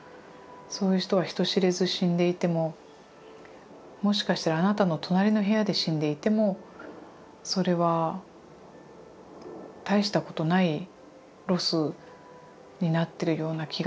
そういう人は人知れず死んでいてももしかしたらあなたの隣の部屋で死んでいてもそれは大したことないロスになってるような気がするんですよね。